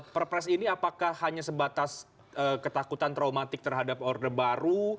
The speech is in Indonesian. perpres ini apakah hanya sebatas ketakutan traumatik terhadap orde baru